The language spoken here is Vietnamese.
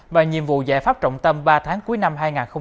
và nhiệm vụ giải pháp trọng tâm ba tháng cuối năm hai nghìn hai mươi